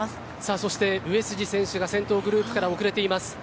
そして上杉選手が先頭グループから遅れています。